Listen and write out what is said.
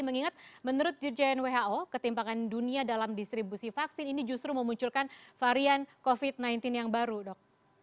mengingat menurut dirjen who ketimpangan dunia dalam distribusi vaksin ini justru memunculkan varian covid sembilan belas yang baru dok